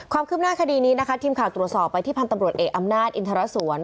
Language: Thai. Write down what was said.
ความคืบหน้าคดีนี้นะคะทีมข่าวตรวจสอบไปที่พันธ์ตำรวจเอกอำนาจอินทรสวน